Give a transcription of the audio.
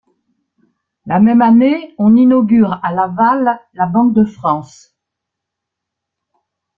La même année on inaugure à Laval la Banque de France.